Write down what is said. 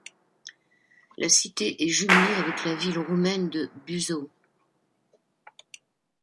La cité est jumelée avec la ville roumaine de Buzău.